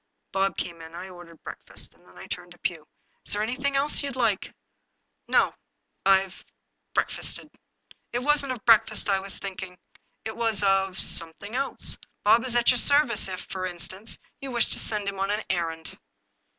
Bob came in. I ordered breakfast. Then I turned to Pugh. " Is there anything you would like ?"" No, I— I've breakfasted." " It wasn't of breakfast I was thinking. It was of — some thing else. Bob is at your service, if, for instance, you wish to send him on an errand."